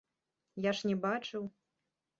Я ж не бачыў.